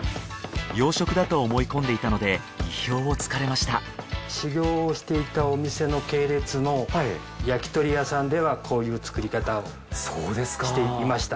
洋食だと思い込んでいたので意表を突かれました修業をしていたお店の系列の焼き鳥屋さんではこういう作り方をしていました。